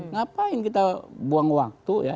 ngapain kita buang waktu ya